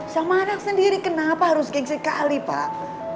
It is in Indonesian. sama anak sendiri kenapa harus geng sekali pak